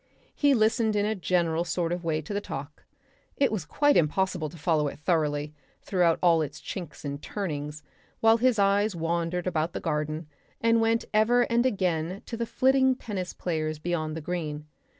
He listened in a general sort of way to the talk, it was quite impossible to follow it thoughtfully throughout all its chinks and turnings, while his eyes wandered about the garden and went ever and again to the flitting tennis players beyond the green.